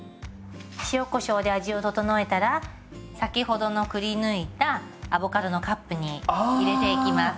塩こしょうで味を調えたら先ほどのくりぬいたアボカドのカップに入れていきます。